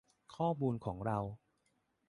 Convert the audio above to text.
ข้อมูลของเรา